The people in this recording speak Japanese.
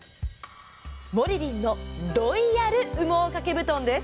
モリリンのロイヤル羽毛掛け布団です。